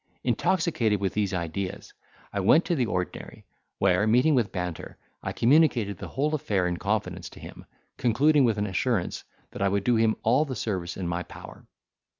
Intoxicated with these ideas, I went to the ordinary, where, meeting with Banter, I communicated the whole affair in confidence to him, concluding with an assurance that I would do him all the service in my power.